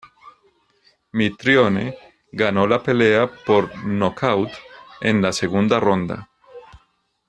Mitrione ganó la pelea por nocaut en la segunda ronda.